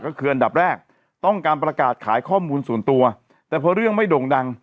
ก็คืออันดับแรกต้องการประกาศขายข้อมูลส่วนตัวแต่พอเรื่องไม่โด่งดัง